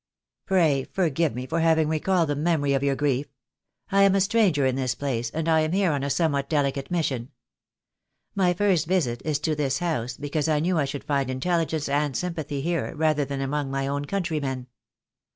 "Pray forgive me for having recalled the memory of your grief. I am a stranger in this place, and I am here on a somewhat delicate mission. My first visit is to this house, because I knew I should find intelligence and sympathy here rather than among my own countrymen.